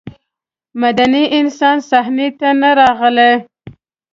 مدني انسان صحنې ته نه راغلی.